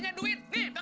gitu gitu gitu